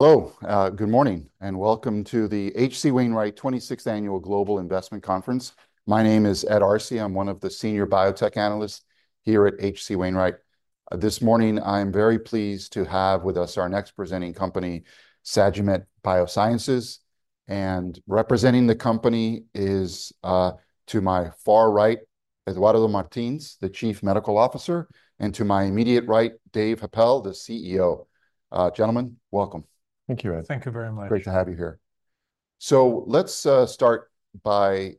Hello, good morning, and welcome to the H.C. Wainwright 26th Annual Global Investment Conference. My name is Ed Arce. I'm one of the senior biotech analysts here at H.C. Wainwright. This morning, I'm very pleased to have with us our next presenting company, Sagimet Biosciences. And representing the company is, to my far right, Eduardo Martins, the Chief Medical Officer, and to my immediate right, Dave Happel, the CEO. Gentlemen, welcome. Thank you, Ed. Thank you very much. Great to have you here. So let's start by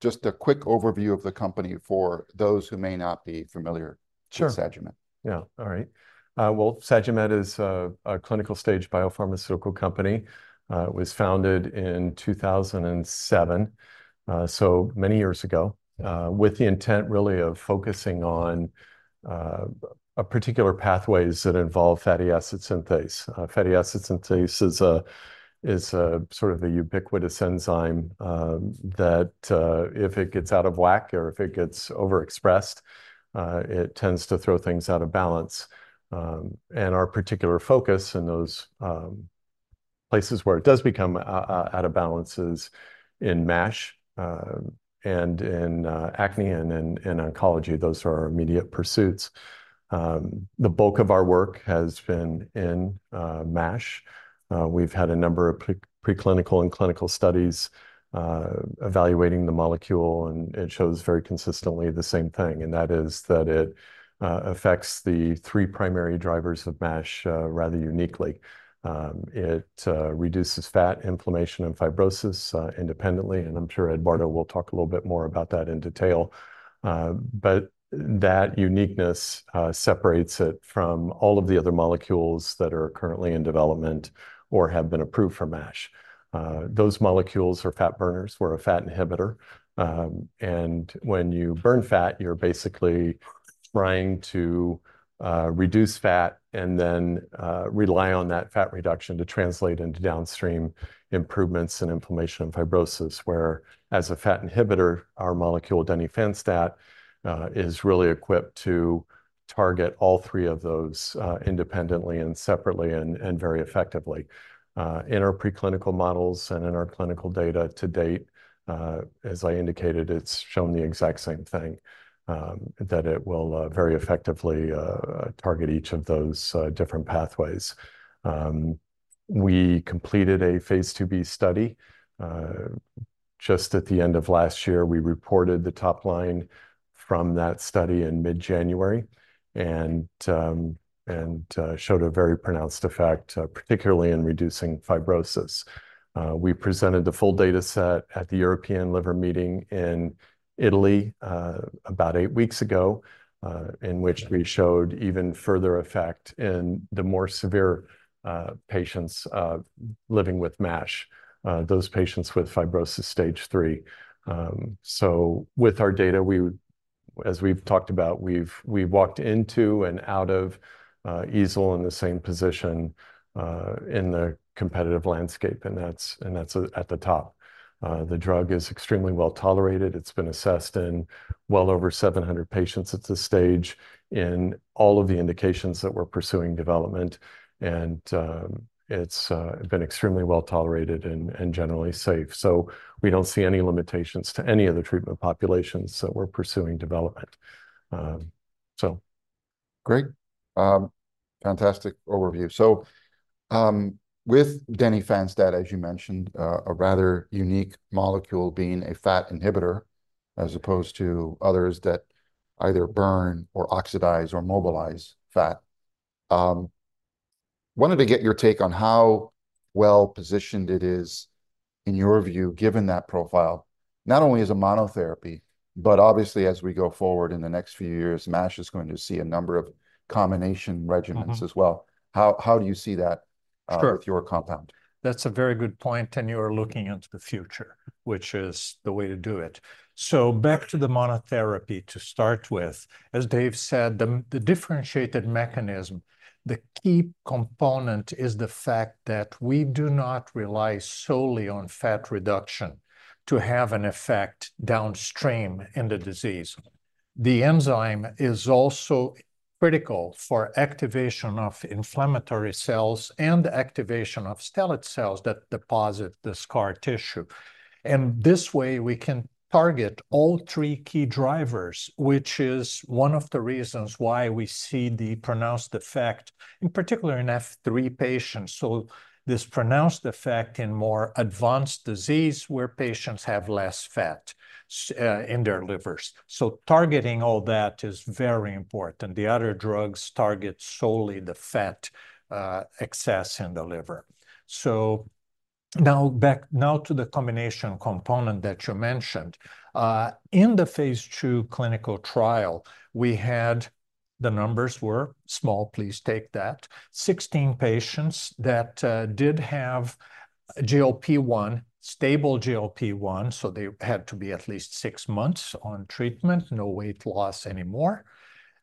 just a quick overview of the company for those who may not be familiar- Sure. -with Sagimet. Yeah. All right. Sagimet is a clinical stage biopharmaceutical company. It was founded in 2007, so many years ago, with the intent really of focusing on a particular pathways that involve fatty acid synthase. Fatty acid synthase is a sort of a ubiquitous enzyme that if it gets out of whack or if it gets overexpressed, it tends to throw things out of balance, and our particular focus in those places where it does become out of balance is in MASH, and in acne and in oncology. Those are our immediate pursuits. The bulk of our work has been in MASH. We've had a number of preclinical and clinical studies, evaluating the molecule, and it shows very consistently the same thing, and that is that it affects the three primary drivers of MASH, rather uniquely. It reduces fat, inflammation, and fibrosis, independently, and I'm sure Eduardo will talk a little bit more about that in detail, but that uniqueness separates it from all of the other molecules that are currently in development or have been approved for MASH. Those molecules are fat burners. We're a fat inhibitor. And when you burn fat, you're basically trying to reduce fat and then rely on that fat reduction to translate into downstream improvements in inflammation and fibrosis, where, as a fat inhibitor, our molecule, denifenstat, is really equipped to target all three of those independently and separately and very effectively. In our preclinical models and in our clinical data to date, as I indicated, it's shown the exact same thing, that it will very effectively target each of those different pathways. We completed a phase IIb study just at the end of last year. We reported the top line from that study in mid-January, and showed a very pronounced effect particularly in reducing fibrosis. We presented the full data set at the European Liver Meeting in Italy about eight weeks ago, in which we showed even further effect in the more severe patients living with MASH, those patients with fibrosis Stage III. So with our data, as we've talked about, we've walked into and out of EASL in the same position in the competitive landscape, and that's at the top. The drug is extremely well-tolerated. It's been assessed in well over seven hundred patients at this stage in all of the indications that we're pursuing development, and it's been extremely well-tolerated and generally safe. So we don't see any limitations to any of the treatment populations that we're pursuing development. So... Great. Fantastic overview. So, with denifenstat, as you mentioned, a rather unique molecule being a fat inhibitor, as opposed to others that either burn or oxidize or mobilize fat, wanted to get your take on how well-positioned it is, in your view, given that profile, not only as a monotherapy, but obviously, as we go forward in the next few years, MASH is going to see a number of combination regimens. Mm-hmm. as well. How do you see that? Sure. with your compound? That's a very good point, and you're looking into the future, which is the way to do it. So back to the monotherapy to start with. As Dave said, the differentiated mechanism, the key component is the fact that we do not rely solely on fat reduction to have an effect downstream in the disease. The enzyme is also critical for activation of inflammatory cells and activation of stellate cells that deposit the scar tissue. And this way, we can target all three key drivers, which is one of the reasons why we see the pronounced effect, in particular in F3 patients, so this pronounced effect in more advanced disease where patients have less fat in their livers. So targeting all that is very important. The other drugs target solely the fat excess in the liver. So now, back... Now to the combination component that you mentioned. In the phase II clinical trial, we had-... The numbers were small, please take that. 16 patients that did have GLP-1, stable GLP-1, so they had to be at least six months on treatment, no weight loss anymore,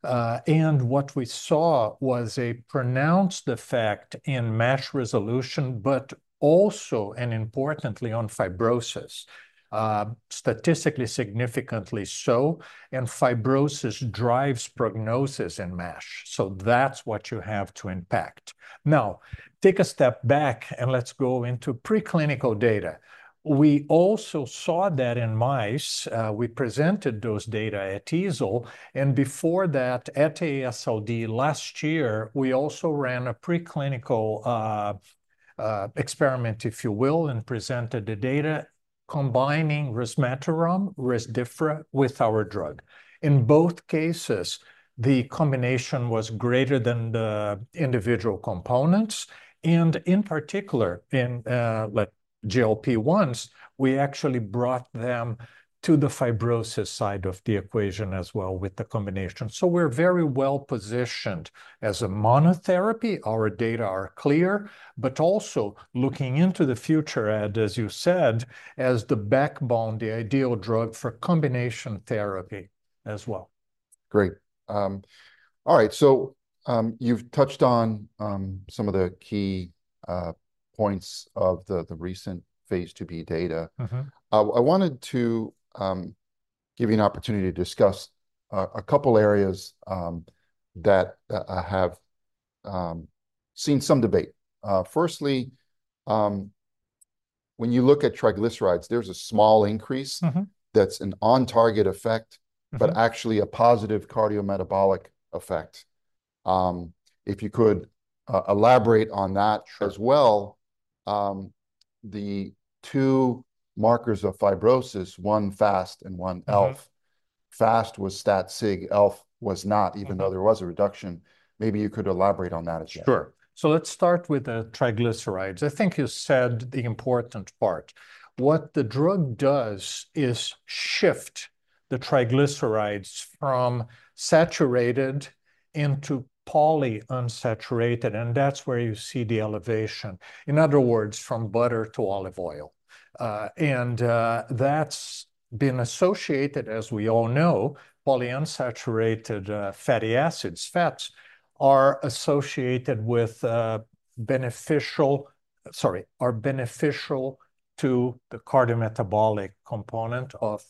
and what we saw was a pronounced effect in MASH resolution, but also, and importantly, on fibrosis. Statistically significantly so, and fibrosis drives prognosis in MASH, so that's what you have to impact. Now, take a step back, and let's go into pre-clinical data. We also saw that in mice, we presented those data at EASL, and before that, at AASLD last year, we also ran a pre-clinical experiment, if you will, and presented the data combining resmetirom, Rezdiffra, with our drug. In both cases, the combination was greater than the individual components, and in particular, in like GLP-1s, we actually brought them to the fibrosis side of the equation as well with the combination. So we're very well-positioned. As a monotherapy, our data are clear, but also looking into the future, and as you said, as the backbone, the ideal drug for combination therapy as well. Great. All right, so, you've touched on some of the key points of the recent phase IIb data. Mm-hmm. I wanted to give you an opportunity to discuss a couple areas that have seen some debate. Firstly, when you look at triglycerides, there's a small increase- Mm-hmm. That's an on-target effect. Mm-hmm... but actually a positive cardiometabolic effect. If you could, elaborate on that- Sure... as well, the two markers of fibrosis, one FAST and one ELF. Mm-hmm. FAST was stat sig, ELF was not. Mm-hmm... even though there was a reduction. Maybe you could elaborate on that a bit? Sure. So let's start with the triglycerides. I think you said the important part. What the drug does is shift the triglycerides from saturated into polyunsaturated, and that's where you see the elevation. In other words, from butter to olive oil. And that's been associated, as we all know, polyunsaturated fatty acids, fats, are associated with beneficial... Sorry, are beneficial to the cardiometabolic component of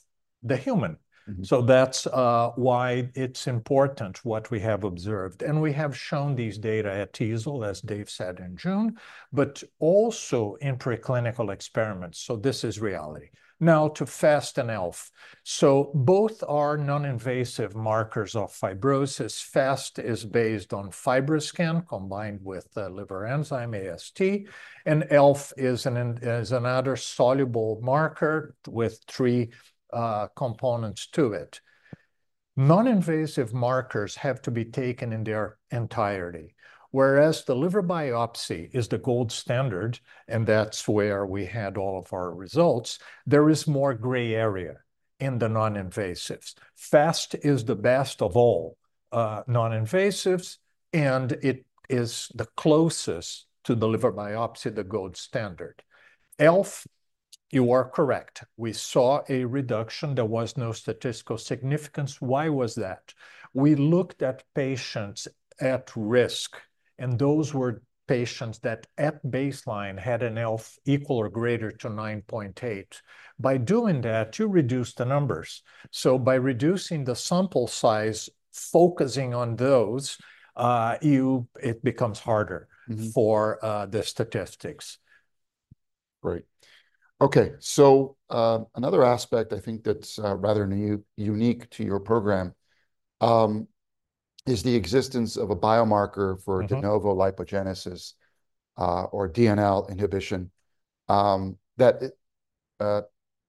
the human. Mm-hmm. So that's why it's important, what we have observed. And we have shown these data at EASL, as Dave said, in June, but also in pre-clinical experiments. So this is reality. Now, to FAST and ELF. So both are non-invasive markers of fibrosis. FAST is based on FibroScan, combined with a liver enzyme, AST, and ELF is another soluble marker with three components to it. Non-invasive markers have to be taken in their entirety, whereas the liver biopsy is the gold standard, and that's where we had all of our results. There is more gray area in the non-invasives. FAST is the best of all non-invasives, and it is the closest to the liver biopsy, the gold standard. ELF, you are correct. We saw a reduction. There was no statistical significance. Why was that? We looked at patients at risk, and those were patients that, at baseline, had an ELF equal or greater to 9.8. By doing that, you reduce the numbers. So by reducing the sample size, focusing on those, it becomes harder- Mm-hmm... for the statistics. Great. Okay, so, another aspect, I think, that's rather unique to your program, is the existence of a biomarker for- Mm-hmm... de novo lipogenesis, or DNL inhibition. That,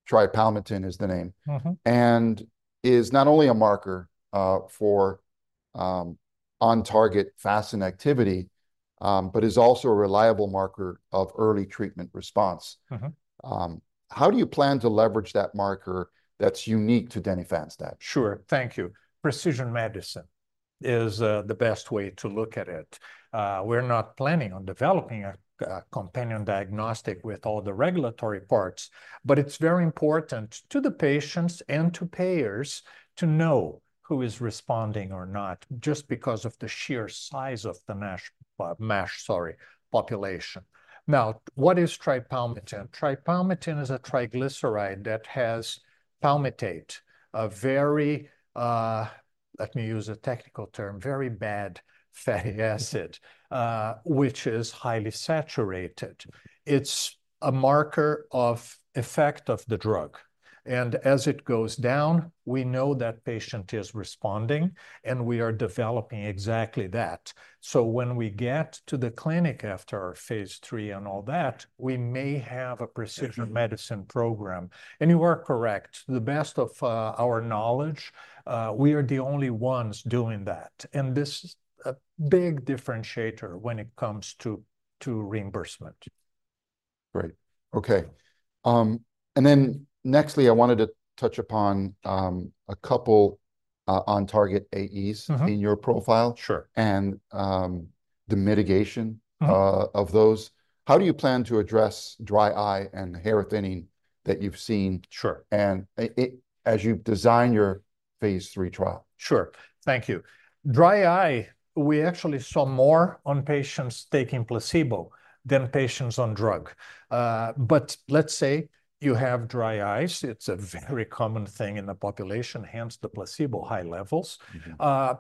tripalmitin is the name. Mm-hmm. And is not only a marker for on-target FASN activity, but is also a reliable marker of early treatment response. Mm-hmm. How do you plan to leverage that marker that's unique to denifenstat? Sure, thank you. Precision medicine is the best way to look at it. We're not planning on developing a companion diagnostic with all the regulatory parts, but it's very important to the patients and to payers to know who is responding or not, just because of the sheer size of the MASH population. Now, what is tripalmitin? Tripalmitin is a triglyceride that has palmitate, a very, let me use a technical term, very bad fatty acid, which is highly saturated. It's a marker of effect of the drug, and as it goes down, we know that patient is responding, and we are developing exactly that, so when we get to the clinic after our phase III and all that, we may have a precision- Mm-hmm... medicine program. And you are correct. To the best of our knowledge, we are the only ones doing that, and this is a big differentiator when it comes to reimbursement.... Great. Okay, and then nextly, I wanted to touch upon a couple on-target AEs- Mm-hmm. -in your profile. Sure. The mitigation- Mm. of those. How do you plan to address dry eye and hair thinning that you've seen? Sure. As you've designed your Phase III trial? Sure. Thank you. Dry eye, we actually saw more on patients taking placebo than patients on drug. But let's say you have dry eyes, it's a very common thing in the population, hence the placebo high levels. Mm-hmm.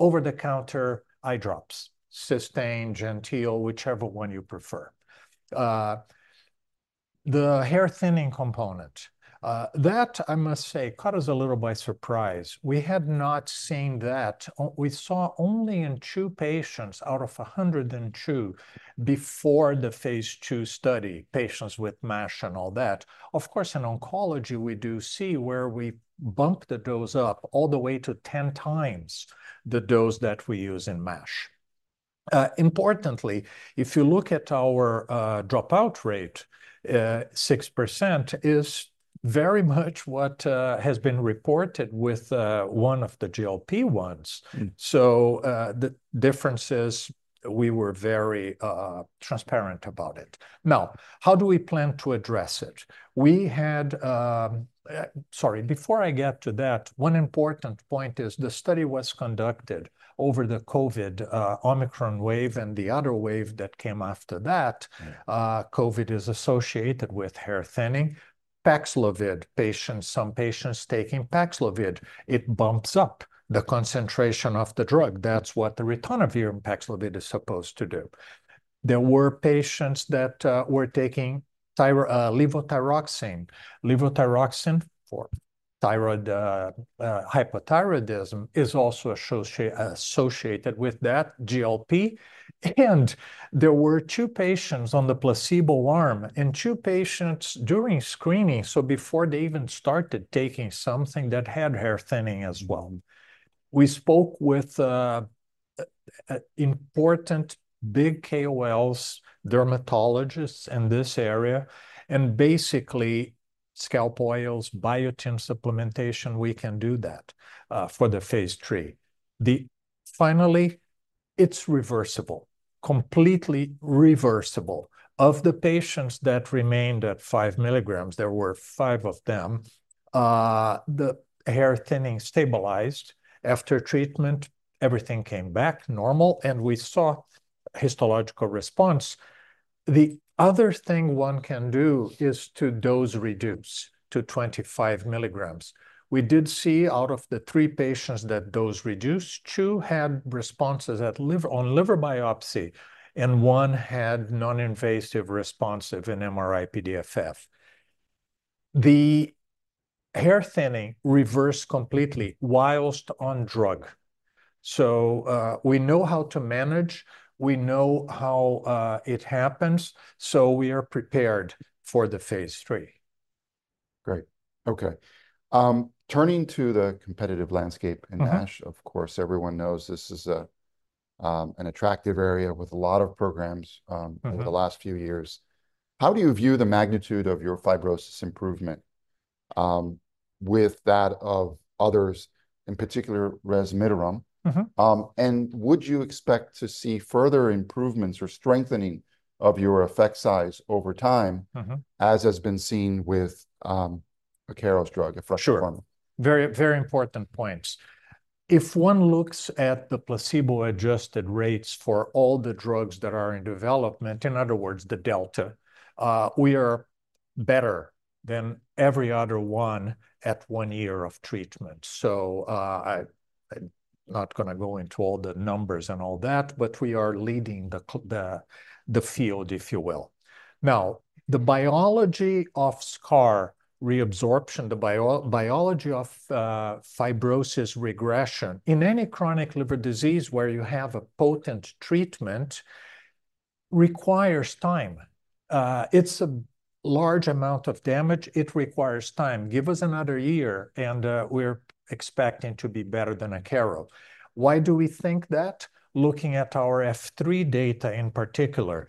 Over-the-counter eye drops, Systane, GenTeal, whichever one you prefer. The hair thinning component, that, I must say, caught us a little by surprise. We had not seen that. We saw only in two patients out of 102 before the phase II study, patients with MASH and all that. Of course, in oncology, we do see where we bump the dose up all the way to 10 times the dose that we use in MASH. Importantly, if you look at our dropout rate, 6% is very much what has been reported with one of the GLP-1s. Mm. The differences, we were very transparent about it. Now, how do we plan to address it? Sorry, before I get to that, one important point is the study was conducted over the COVID Omicron wave, and the other wave that came after that. Mm. COVID is associated with hair thinning. Paxlovid patients, some patients taking Paxlovid, it bumps up the concentration of the drug. That's what the ritonavir in Paxlovid is supposed to do. There were patients that were taking levothyroxine. Levothyroxine for thyroid, hypothyroidism, is also associated with that GLP. And there were two patients on the placebo arm, and two patients during screening, so before they even started taking something, that had hair thinning as well. We spoke with important big KOLs, dermatologists in this area, and basically, scalp oils, biotin supplementation, we can do that for the phase III. Finally, it's reversible, completely reversible. Of the patients that remained at five milligrams, there were five of them, the hair thinning stabilized. After treatment, everything came back normal, and we saw histological response. The other thing one can do is to dose reduce to 25 milligrams. We did see, out of the three patients that dose reduced, two had responses at liver biopsy, and one had non-invasive response in MRI-PDFF. The hair thinning reversed completely while on drug. So, we know how to manage, we know how, it happens, so we are prepared for the phase III. Great. Okay. Turning to the competitive landscape. Mm-hmm... in MASH, of course, everyone knows this is a, an attractive area with a lot of programs, Mm-hmm... in the last few years. How do you view the magnitude of your fibrosis improvement with that of others, in particular, resmetirom? Mm-hmm. And would you expect to see further improvements or strengthening of your effect size over time? Mm-hmm... as has been seen with, Akero's drug, efruxifermin? Sure. Very, very important points. If one looks at the placebo-adjusted rates for all the drugs that are in development, in other words, the delta, we are better than every other one at one year of treatment. So, I'm not gonna go into all the numbers and all that, but we are leading the the field, if you will. Now, the biology of scar reabsorption, the biology of, fibrosis regression, in any chronic liver disease where you have a potent treatment, requires time. It's a large amount of damage, it requires time. Give us another year, and, we're expecting to be better than Akero. Why do we think that? Looking at our F3 data in particular,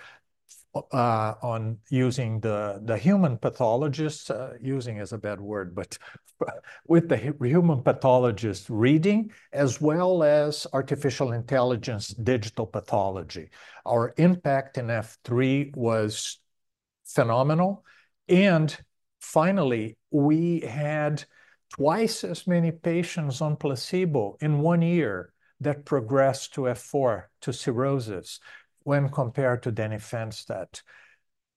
on using the human pathologists, using is a bad word, but with the human pathologist reading, as well as artificial intelligence digital pathology, our impact in F3 was phenomenal. And finally, we had twice as many patients on placebo in one year that progressed to F4, to cirrhosis, when compared to denifenstat.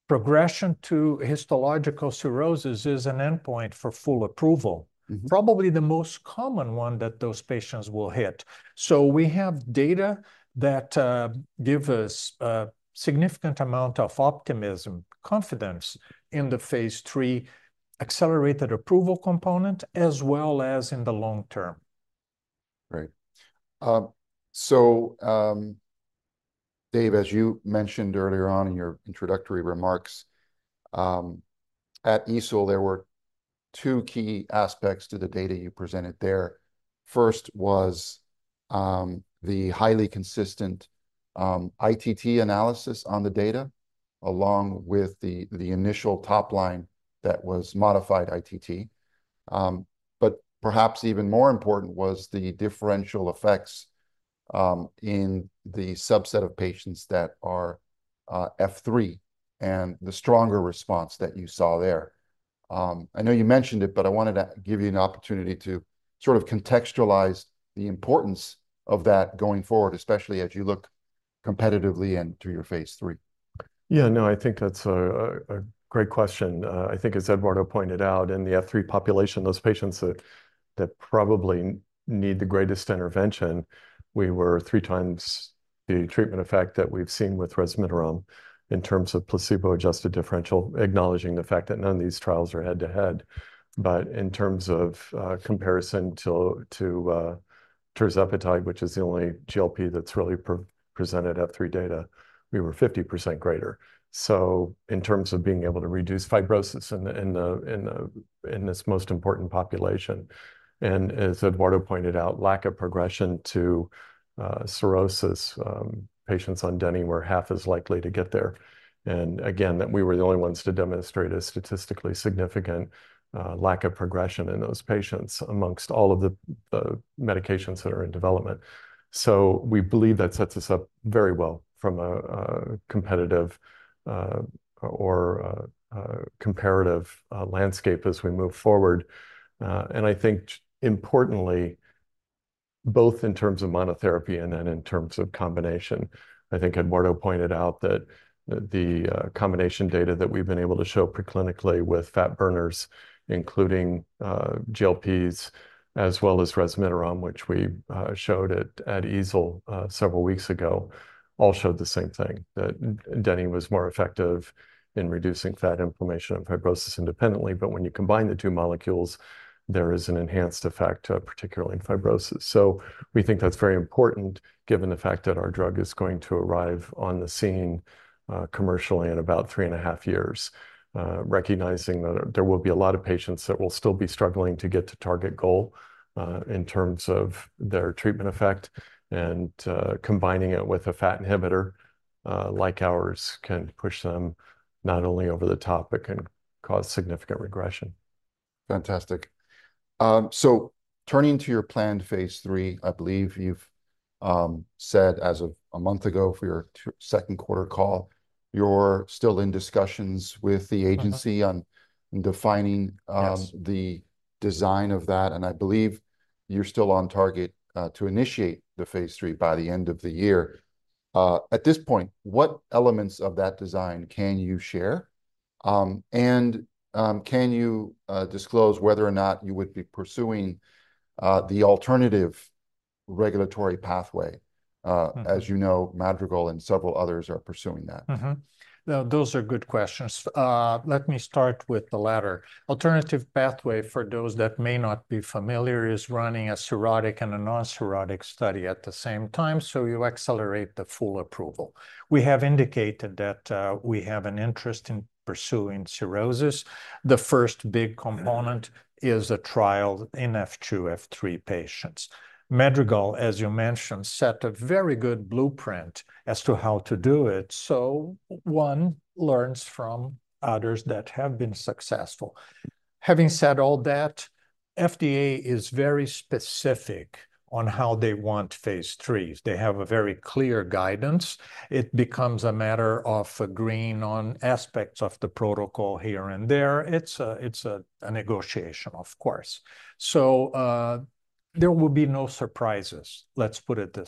Progression to histological cirrhosis is an endpoint for full approval- Mm-hmm... probably the most common one that those patients will hit. So we have data that give us a significant amount of optimism, confidence in the phase III accelerated approval component, as well as in the long term. Great. So, Dave, as you mentioned earlier on in your introductory remarks, at EASL, there were two key aspects to the data you presented there. First was the highly consistent ITT analysis on the data, along with the initial top line that was modified ITT. But perhaps even more important was the differential effects in the subset of patients that are F3, and the stronger response that you saw there. I know you mentioned it, but I wanted to give you an opportunity to sort of contextualize the importance of that going forward, especially as you look competitively into your phase III. Yeah, no, I think that's a great question. I think as Eduardo pointed out, in the F3 population, those patients that probably need the greatest intervention, we were three times the treatment effect that we've seen with resmetirom in terms of placebo-adjusted differential, acknowledging the fact that none of these trials are head-to-head. But in terms of comparison to tirzepatide, which is the only GLP that's really presented F3 data, we were 50% greater. So in terms of being able to reduce fibrosis in this most important population. And as Eduardo pointed out, lack of progression to cirrhosis, patients on Deni were half as likely to get there. And again, that we were the only ones to demonstrate a statistically significant lack of progression in those patients amongst all of the medications that are in development. So we believe that sets us up very well from a competitive or a comparative landscape as we move forward. And I think importantly, both in terms of monotherapy and then in terms of combination, I think Eduardo pointed out that the combination data that we've been able to show preclinically with fat burners, including GLPs, as well as resmetirom, which we showed at EASL several weeks ago, all showed the same thing, that Deni was more effective in reducing fat inflammation and fibrosis independently. But when you combine the two molecules, there is an enhanced effect, particularly in fibrosis. So we think that's very important, given the fact that our drug is going to arrive on the scene, commercially in about three and a half years. Recognizing that there will be a lot of patients that will still be struggling to get to target goal, in terms of their treatment effect. And, combining it with a fat inhibitor, like ours, can push them not only over the top, but can cause significant regression. Fantastic. So turning to your planned phase III, I believe you've said as of a month ago for your second quarter call, you're still in discussions with the agency on- Mm-hmm... defining, Yes... the design of that. I believe you're still on target to initiate the Phase III by the end of the year. At this point, what elements of that design can you share? Can you disclose whether or not you would be pursuing the alternative regulatory pathway? Mm. As you know, Madrigal and several others are pursuing that. Mm-hmm. Now, those are good questions. Let me start with the latter. Alternative pathway, for those that may not be familiar, is running a cirrhotic and a non-cirrhotic study at the same time, so you accelerate the full approval. We have indicated that, we have an interest in pursuing cirrhosis. The first big component- Mm... is a trial in F2, F3 patients. Madrigal, as you mentioned, set a very good blueprint as to how to do it, so one learns from others that have been successful. Having said all that, FDA is very specific on how they want phase III. They have a very clear guidance. It becomes a matter of agreeing on aspects of the protocol here and there. It's a negotiation, of course. So, there will be no surprises, let's put it this way.